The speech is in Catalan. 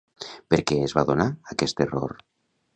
Per què es va donar aquest error?